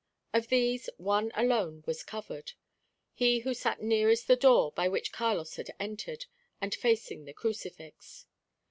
Of these, one alone was covered, he who sat nearest the door by which Carlos had entered, and facing the crucifix.